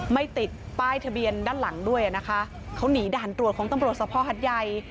ไม่ติดป้ายทะเบียนด้านหลังด้วยนะคะเขาหนีด่านตรวจของตำรวจสภหัดใหญ่